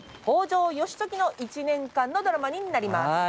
北条義時の１年間のドラマになります。